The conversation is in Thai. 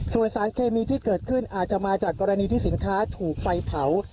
ส่วนสารเคมีที่เกิดขึ้นอาจจะมาจากกรณีที่สินค้าถูกไฟเผา